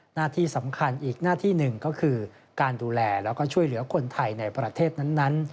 หน้าที่สำคัญอีกหน้าที่หนึ่งก็คือการดูแลแล้วก็ช่วยเหลือคนไทยในประเทศนั้น